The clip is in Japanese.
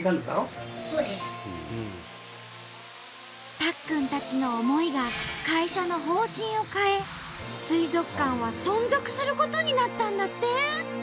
たっくんたちの思いが会社の方針を変え水族館は存続することになったんだって！